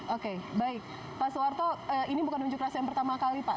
oke baik pak soeharto ini bukan unjuk rasa yang pertama kali pak